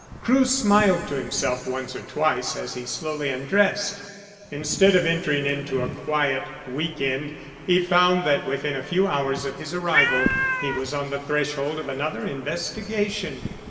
Crewe smiled to himself once or twice as he slowly undressed. Instead of entering into a quiet week end he found that within a few hours of his arrival he was on the threshold of another investigation.